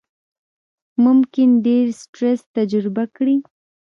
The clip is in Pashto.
ممکن ډېر سټرس تجربه کړئ،